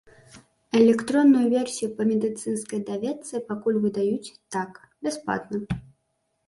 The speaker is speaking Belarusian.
Электронную версію па медыцынскай даведцы пакуль выдаюць так, бясплатна.